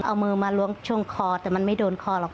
เอามือมาล้วงช่วงคอแต่มันไม่โดนคอหรอก